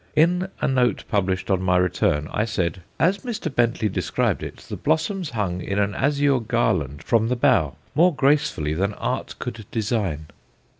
In a note published on my return, I said, "As Mr. Bentley described it, the blossoms hung in an azure garland from the bough, more gracefully than art could design."